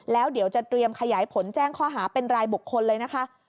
แล้วเดี๋ยวจะเตรียมขยายผลแจ้งข้อหาเป็นรายบุคคลเลยนะคะ